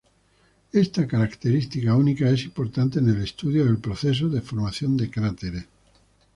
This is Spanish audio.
Esta característica única es importante en el estudio del proceso de formación de cráteres.